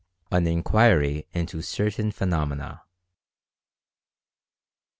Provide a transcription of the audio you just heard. AN INQUIRY INTO CERTAIN PHENOMENA.